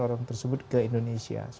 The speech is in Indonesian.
orang tersebut ke indonesia